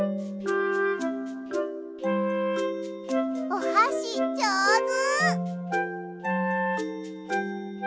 おはしじょうず！